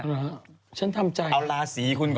หรอฉันทำใจนะครับดูชุมล่าห์สีกูก่อน